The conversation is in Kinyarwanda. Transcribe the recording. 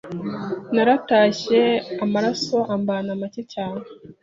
naratashye amaraso ambana make cyane